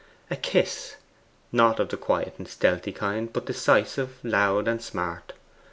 A kiss not of the quiet and stealthy kind, but decisive, loud, and smart.